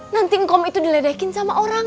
nanti ngom itu diledekin sama orang